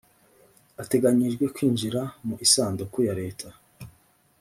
ateganyijwe kwinjira mu isanduku ya leta.